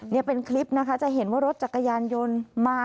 นี่เป็นคลิปนะคะจะเห็นว่ารถจักรยานยนต์มา